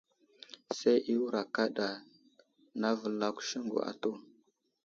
Say i wə́rà kaɗa navəlakw siŋgu atu.